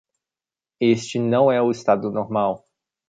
Este não é o estado normal.